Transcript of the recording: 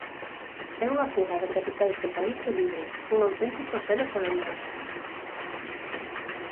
É unha fuga de capitais do país de libro; cun auténtico selo colonial.